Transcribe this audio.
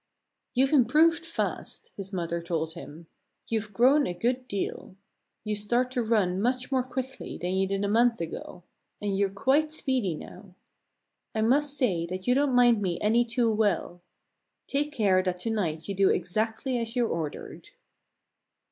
"You've improved fast," his mother told him. "You've grown a good deal. You start to run much more quickly than you did a month ago; and you're quite speedy now. I must say that you don't mind me any too well. Take care that to night you do exactly as you're ordered!"